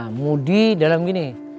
nah moody dalam gini